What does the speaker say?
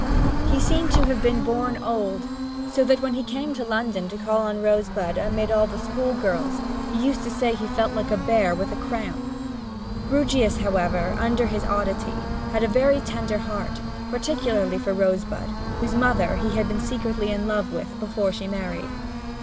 He seemed to have been born old, so that when he came to London to call on Rosebud amid all the school girls he used to say he felt like a bear with the cramp. Grewgious, however, under his oddity had a very tender heart, particularly for Rosebud, whose mother he had been secretly in love with before she married.